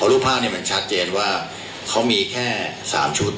แล้วก็รูปภาพเนี่ยมันชัดเจนว่าเขามีแค่สามชุดนะครับ